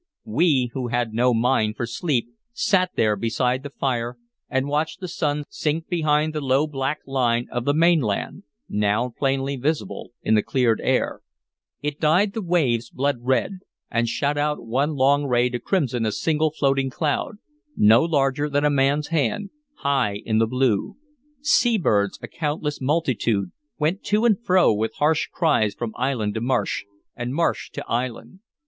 We who had no mind for sleep sat there beside the fire and watched the sun sink behind the low black line of the mainland, now plainly visible in the cleared air. It dyed the waves blood red, and shot out one long ray to crimson a single floating cloud, no larger than a man's hand, high in the blue. Sea birds, a countless multitude, went to and fro with harsh cries from island to marsh, and marsh to island.